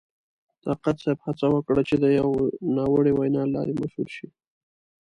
طاقت صاحب هڅه وکړه چې د یوې ناوړې وینا له لارې مشهور شي.